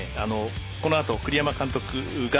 このあと栗山監督が